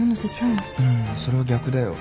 ううんそれは逆だよ。